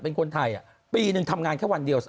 เป็นคนไทยปีหนึ่งทำงานแค่วันเดียว